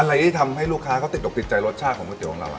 อะไรที่ทำให้ลูกค้าเขาติดอกติดใจรสชาติของก๋วของเรา